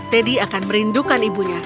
teddy akan merindukan ibunya